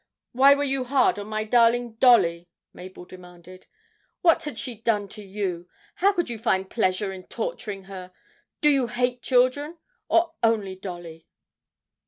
'Why were you hard on my darling Dolly?' Mabel demanded. 'What had she done to you how could you find pleasure in torturing her? Do you hate children or only Dolly?'